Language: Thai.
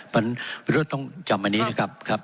มันต้องจำอันนี้นะครับ